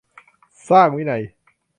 สร้างวินัย